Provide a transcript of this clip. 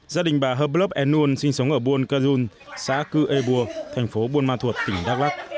gia đình bà herblub enun sinh sống ở buôn cà dung xã cư ê buô thành phố buôn ma thuột tỉnh đắk lắc